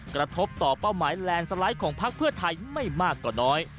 กระทบต่อเป้าหมายแลนด์สไลด์ของพักเพื่อไทยไม่มากกว่าน้อย